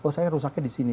saya rusaknya di sini